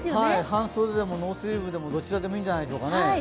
半袖でも、ノースリーブでもどちらでもいいんじゃないでしょうかね。